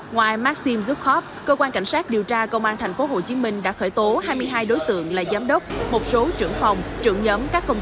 ngoài maxim zukhop cơ quan cảnh sát điều tra công an tp hcm đã khởi tố hai mươi hai đối tượng là giám đốc một số trưởng phòng trưởng nhóm các công ty